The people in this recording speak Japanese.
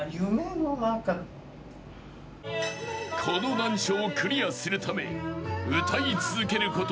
［この難所をクリアするため歌い続けること］